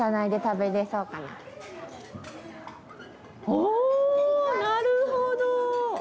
おおなるほど！